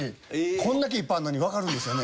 こんだけいっぱいあるのにわかるんですよね。